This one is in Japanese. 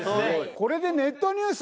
これでネットニュース